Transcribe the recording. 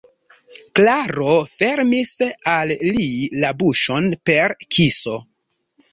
Klaro fermis al li la buŝon per kiso.